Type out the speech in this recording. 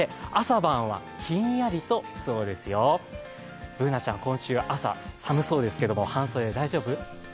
Ｂｏｏｎａちゃん、今週、朝寒そうですけども、半袖、大丈夫？